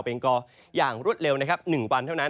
เป็นกออย่างรวดเร็วนะครับ๑วันเท่านั้น